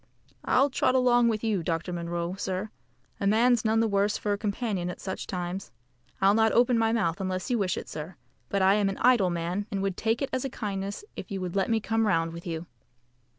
"I'll trot along with you, Dr. Munro, sir. A man's none the worse for a companion at such times. I'll not open my mouth unless you wish it, sir; but I am an idle man, and would take it as a kindness if you would let me come round with you."